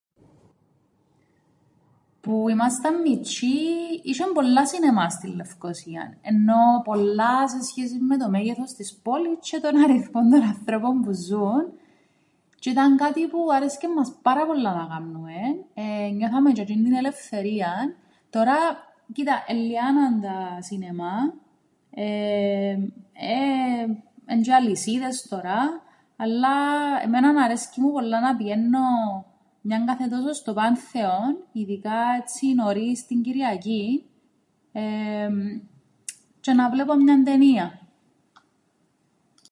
Που ήμασταν μιτσ̆οί είσ̆εν πολλά σινεμά στην Λευκωσίαν, εννοώ πολλά σε σχέσην με το μέγεθος της πόλης τζ̆αι τον αριθμόν των ανθρώπων που ζουν, τζ̆αι ήταν κάτι που άρεσκεν μας πάρα πολλά να κάμνουμεν, ενιώθαμεν τζ̆αι τζ̆είν' την ελευθερίαν. Τωρά, κοίτα, ελλιάναν τα σινεμά, εν' τζ̆' οι αλυσίδες τωρά, αλλά εμέναν αρέσκει πολλά μου να πηαίννω μιαν κάθε τόσον στο Πάνθεον, ειδικά έτσι νωρίς την Κυριακήν, τζ̆αι να βλέπω μιαν ταινίαν.